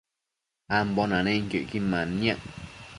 ambo nanenquio icquin manniac